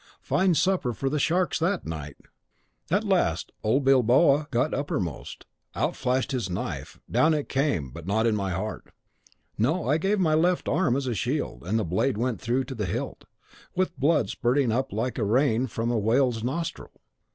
Fine supper for the sharks that night! At last old Bilboa got uppermost; out flashed his knife; down it came, but not in my heart. No! I gave my left arm as a shield; and the blade went through to the hilt, with the blood spurting up like the rain from a whale's nostril!